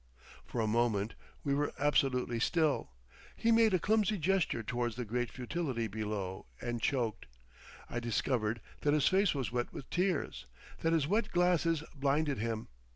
For a moment we were absolutely still. He made a clumsy gesture towards the great futility below and choked. I discovered that his face was wet with tears, that his wet glasses blinded him.